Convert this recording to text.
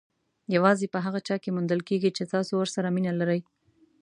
یوازې په هغه چا کې موندل کېږي چې تاسو ورسره مینه لرئ.